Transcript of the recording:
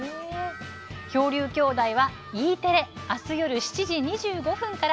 「漂流兄妹」はＥテレあす夜７時２５分から。